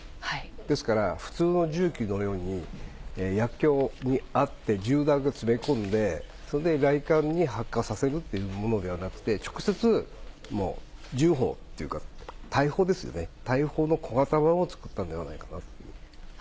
ですから、普通の銃器のように薬きょうにあって銃弾を詰め込んで、それでがいかんに発火させるということではなくて、直接、もう銃砲というか、大砲ですよね、大砲の小型を作ったんじゃないかなと思います。